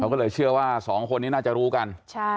ก็เลยเชื่อว่าสองคนนี้น่าจะรู้กัน